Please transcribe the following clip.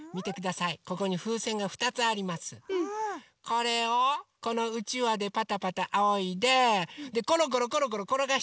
これをこのうちわでパタパタあおいでころころころころころがしていくのね。